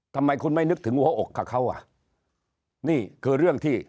ทำไมคุณไม่นึกถึงหัวอกกับเขาอ่ะนี่คือเรื่องที่